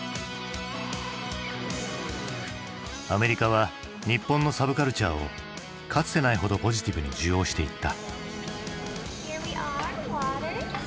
アメリカは日本のサブカルチャーをかつてないほどポジティブに受容していった。